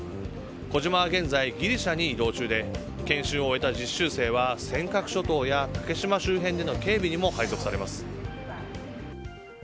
「こじま」は現在、ギリシャに移動中で研修を終えた実習生は尖閣諸島や竹島周辺の警備にも配属されます。